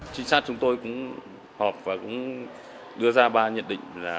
trinh sát chúng tôi cũng họp và cũng đưa ra ba nhận định